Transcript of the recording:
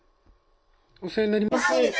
お世話になります。